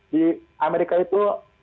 di amerika itu